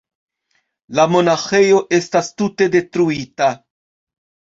La monaĥejo estas tute detruita.